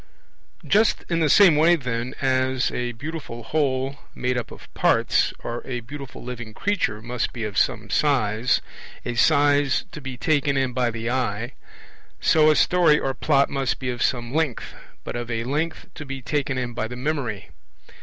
Just in the same way, then, as a beautiful whole made up of parts, or a beautiful living creature, must be of some size, a size to be taken in by the eye, so a story or Plot must be of some length, but of a length to be taken in by the memory.